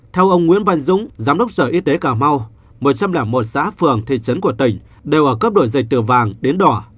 theo ông nguyễn văn dũng giám đốc sở y tế cà mau một trăm linh một xã phường thị trấn của tỉnh đều ở cấp độ dây từ vàng đến đỏ